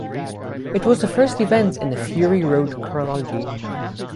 It was the first event in the Fury Road chronology.